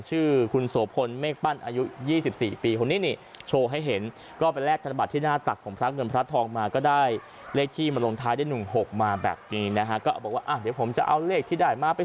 ชื่อคุณสวพลเมฆปั้นอายุ๒๔ปี